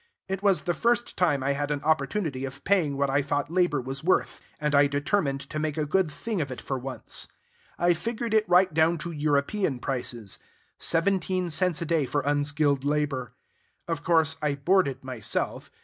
It was the first time I had an opportunity of paying what I thought labor was worth; and I determined to make a good thing of it for once. I figured it right down to European prices, seventeen cents a day for unskilled labor. Of course, I boarded myself.